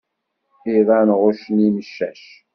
Iḍan ɣuccen imcac.